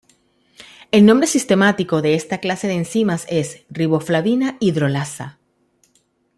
El nombre sistemático de esta clase de enzimas es "riboflavina hidrolasa".